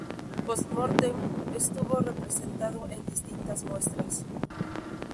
Post mortem estuvo representado en distintas muestras.